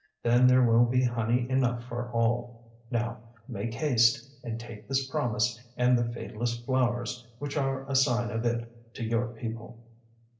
Then there will be honey enough for all. Now make haste and take this promise and the fadeless flowers, which are a sign of it to your people."